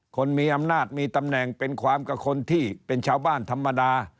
คนมีอำนาจมีตำแหน่งเป็นความกับคนที่เป็นชาวบ้านธรรมดา